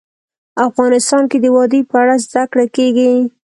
افغانستان کې د وادي په اړه زده کړه کېږي.